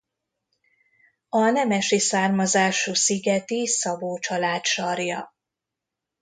A nemesi származású szigeti Szabó család sarja.